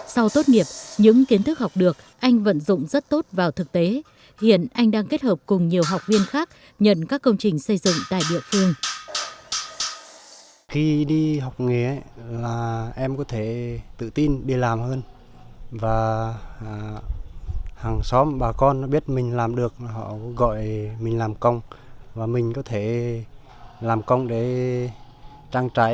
sau tốt nghiệp những kiến thức học được anh vẫn dụng rất tốt vào thực tế hiện anh đang kết hợp cùng nhiều học viên khác nhận các công trình xây dựng tại địa phương